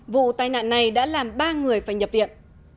vụ tai nạn này đã làm ba người phải nhập viện